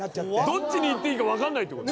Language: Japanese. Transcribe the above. どっちに行っていいかわからないってこと？